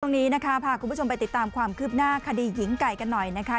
ตรงนี้นะคะพาคุณผู้ชมไปติดตามความคืบหน้าคดีหญิงไก่กันหน่อยนะคะ